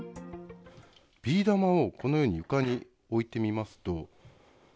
ビー玉をこのように床に置いてみますと。